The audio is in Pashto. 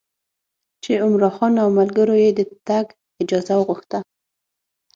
چې عمرا خان او ملګرو یې د تګ اجازه وغوښته.